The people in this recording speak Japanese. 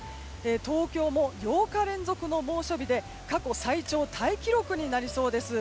東京も８日連続の猛暑日で過去最長タイ記録になりそうです。